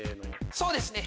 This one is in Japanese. そうですね。